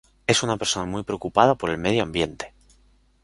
Es una persona muy preocupada por el medio ambiente.